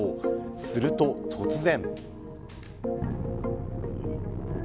すると突然。